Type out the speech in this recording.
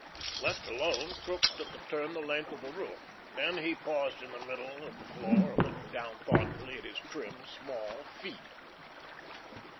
Left alone, Crookes took a turn the length of the room. Then he paused in the middle of the floor, looking down thoughtfully at his trim, small feet.